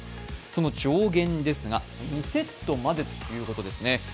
その上限ですが２セットまでということですね。